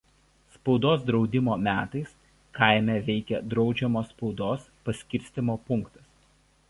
Spaudos draudimo metais kaime veikė draudžiamos spaudos paskirstymo punktas.